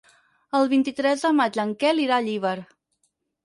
El vint-i-tres de maig en Quel irà a Llíber.